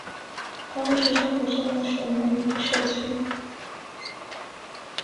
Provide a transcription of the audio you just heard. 他们是中国最后使用满语的社区。